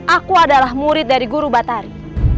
aku adalah murid dari guru batari